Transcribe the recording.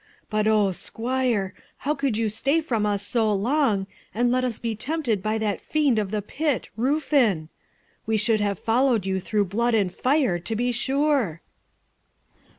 But, O squire! how could you stay from us so long, and let us be tempted by that fiend of the pit, Ruffin? we should have followed you through flood and fire, to be sure.'